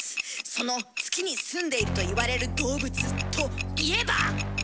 その月に住んでいるといわれる動物といえば！